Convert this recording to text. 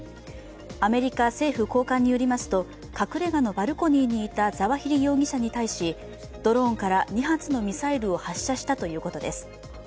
アメリカ政府高官によりますと隠れ家のバルコニーにいたザワヒリ容疑者に対し、ドローンから２発のミサイルを発射したということです。